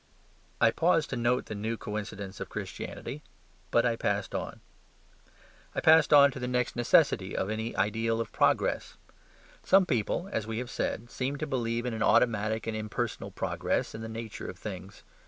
I paused to note the new coincidence of Christianity: but I passed on. I passed on to the next necessity of any ideal of progress. Some people (as we have said) seem to believe in an automatic and impersonal progress in the nature of things.